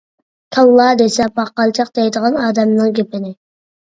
كاللا دېسە پاقالچاق دەيدىغان ئادەمنىڭ گېپىنى.